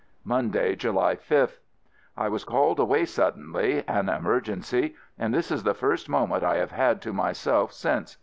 Monday, July 5th. I was called away suddenly — an emer gency — and this is the first moment I have had to myself since.